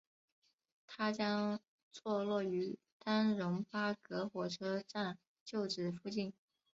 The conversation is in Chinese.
它将坐落于丹戎巴葛火车站旧址附近。